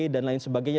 dan lain sebagainya